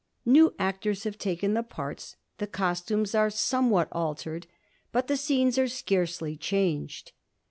Xew actors have taken the parts ; the costumes are somewhat altered, but the scenes are scarcely changed.